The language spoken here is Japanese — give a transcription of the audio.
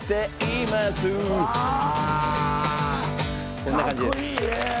こんな感じです。